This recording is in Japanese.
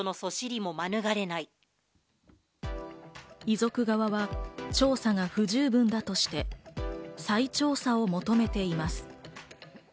遺族側は調査が不十分だとして、再調査を求めています。